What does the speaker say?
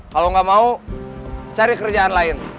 kalau nggak mau cari kerjaan lain